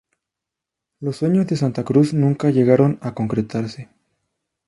Los sueños de Santa Cruz nunca llegaron a concretarse.